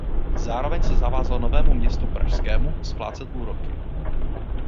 Zároveň se zavázal Novému Městu pražskému splácet úroky.